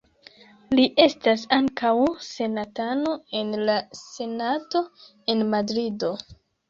Li estas ankaŭ senatano en la Senato en Madrido.